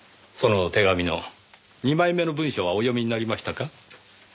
その手紙の２枚目の文章はお読みになりましたか？